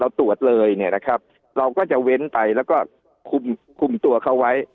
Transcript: ตรวจเลยเนี่ยนะครับเราก็จะเว้นไปแล้วก็คุมคุมตัวเขาไว้